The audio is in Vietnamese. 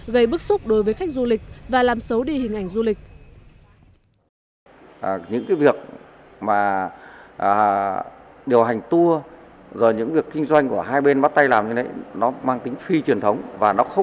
gây bức xúc đối với khách du lịch và làm xấu đi hình ảnh du lịch